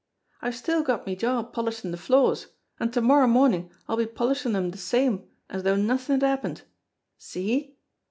I've still got me job polishin' de floors, an' to morrow mornin' I'll be polishin' 'em de same as though nothin' had happened. See?